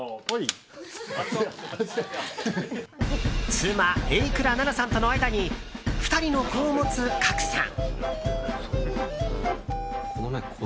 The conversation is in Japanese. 妻・榮倉奈々さんとの間に２人の子を持つ賀来さん。